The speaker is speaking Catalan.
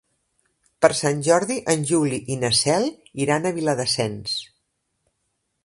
Per Sant Jordi en Juli i na Cel iran a Viladasens.